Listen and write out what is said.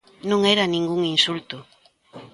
Non era ningún insulto.